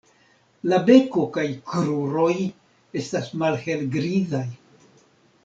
La beko kaj kruroj estas malhelgrizaj.